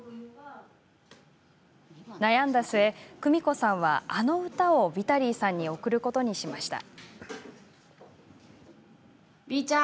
悩んだ末、クミコさんはあの歌をヴィタリーさんに贈ることにしました。